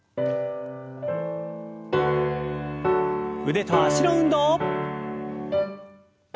腕と脚の運動。